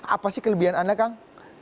apa sih kelebihan anda kang